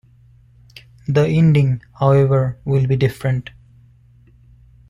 The ending, however, will be different.